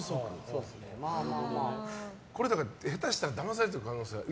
だから下手したらだまされてる可能性がある。